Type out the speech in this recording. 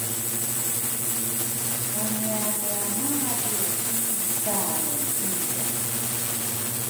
pangiamia madu ki zikange iya